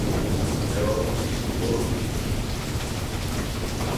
Meu amor, volvo.